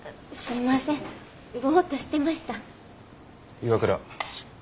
岩倉。